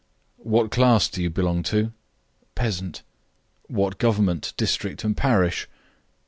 "What class do you belong to?" "Peasant." "What government, district, and parish?"